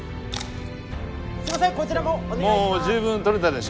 すいませんこちらもお願いします。